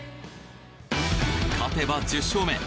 勝てば１０勝目。